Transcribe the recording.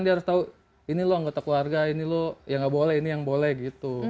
dia harus tahu ini lo anggota keluarga ini lo ya nggak boleh ini yang boleh gitu